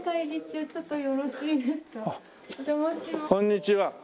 こんにちは。